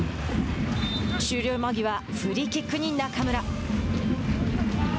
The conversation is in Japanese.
終了間際フリーキックに中村。